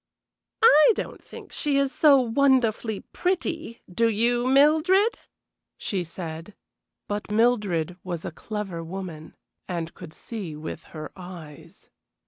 "I don't think she is so wonderfully pretty, do you, Mildred?" she said. But Mildred was a clever woman, and could see with her eyes.